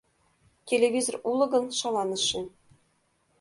Телевизор уло гын, шаланыше.